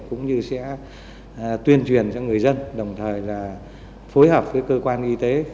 cũng như sẽ tuyên truyền cho người dân đồng thời là phối hợp với cơ quan y tế